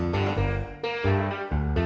nih si tati